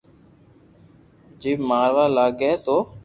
جيم ماروا لاگي تو